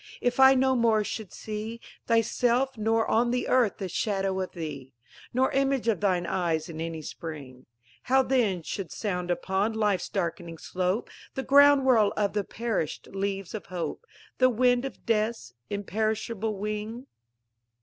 if I no more should see Thyself, nor on the earth the shadow of thee, Nor image of thine eyes in any spring, How then should sound upon Life's darkening slope The ground whirl of the perished leaves of Hope, The wind of Death's imperishable wing?